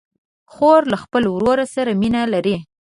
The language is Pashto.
خور له خپل ورور سره مینه لري.